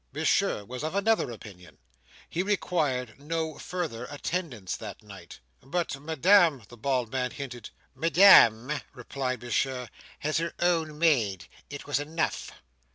Monsieur was of another opinion. He required no further attendance that night. "But Madame—" the bald man hinted. "Madame," replied Monsieur, "had her own maid. It was enough."